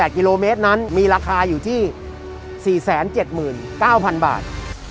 กิโลเมตรนั้นมีราคาอยู่ที่๔๗๙๐๐บาท